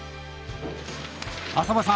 浅羽さん